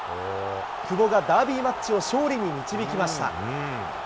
久保がダービーマッチを勝利に導きました。